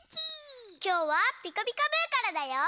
きょうは「ピカピカブ！」からだよ。